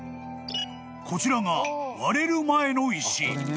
［こちらが割れる前の石］